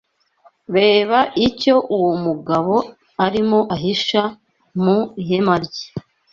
REBA icyo uwo mugabo arimo ahisha mu ihema rye